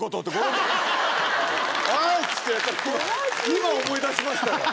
今思い出しましたよ。